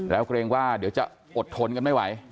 แล้วเกรงว่าเดี๋ยวจะอดทนกันไม่ไหว